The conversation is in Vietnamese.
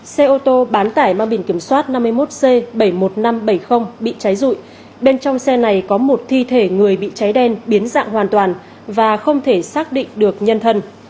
xe ô tô bán tải mang biển kiểm soát năm mươi một c bảy mươi một nghìn năm trăm bảy mươi bị cháy rụi bên trong xe này có một thi thể người bị cháy đen biến dạng hoàn toàn và không thể xác định được nhân thân